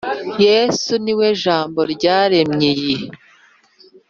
Yesu ni we jambo-ryaremy’iyi